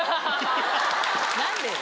何でよ？